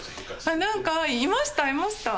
あなんかいましたいました。